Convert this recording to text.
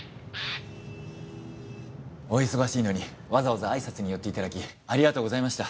お忙しいのにわざわざ挨拶に寄っていただきありがとうございました。